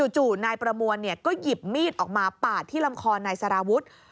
นายประมวลก็หยิบมีดออกมาปาดที่ลำคอนายสารวุฒิ